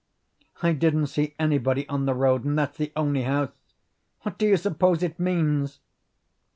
I didn't see anybody on the road, and that's the only house. What do you suppose it means?"